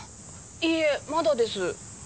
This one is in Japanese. いいえまだです。